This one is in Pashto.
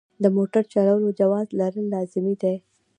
د موټر چلولو جواز لرل لازمي دي.